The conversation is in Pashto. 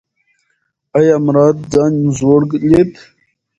ایا مراد ځان زوړ لید؟